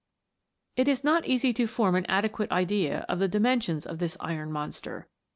* It is not easy to form, an adequate idea of the dimensions of this iron monster.